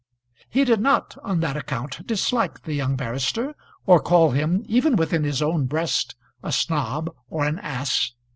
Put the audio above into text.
He did not on that account dislike the young barrister, or call him, even within his own breast, a snob or an ass.